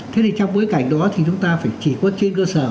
thế thì trong bối cảnh đó thì chúng ta phải chỉ có trên cơ sở